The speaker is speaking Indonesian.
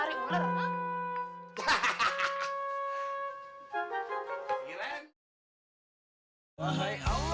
sini dikit bajuan dikit